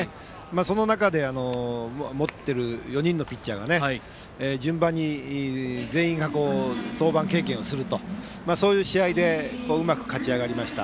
その中で、４人のピッチャーが順番に全員が登板経験するというそういう試合でうまく勝ち上がりました。